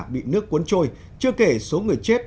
bị nước cuốn trôi chưa kể số người chết